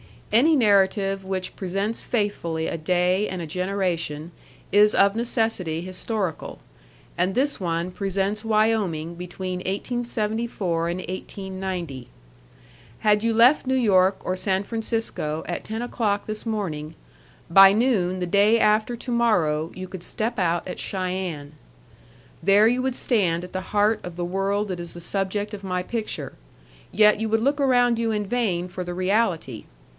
Any narrative which presents faithfully a day and a generation is of necessity historical; and this one presents Wyoming between 1874 and 1890. Had you left New York or San Francisco at ten o'clock this morning, by noon the day after to morrow you could step out at Cheyenne. There you would stand at the heart of the world that is the subject of my picture, yet you would look around you in vain for the reality.